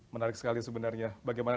menarik sekali sebenarnya bagaimana